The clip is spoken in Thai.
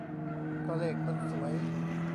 ก็เลขมันสวย